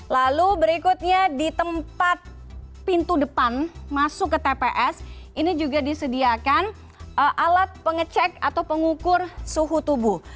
lalu berikutnya di tempat pintu depan masuk ke tps ini juga disediakan alat pengecek atau pengukur suhu tubuh